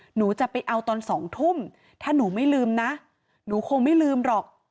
หนูจะไปเอาตอน๒ทุ่มถ้าหนูไม่ลืมนะหนูคงไม่ลืมหรอก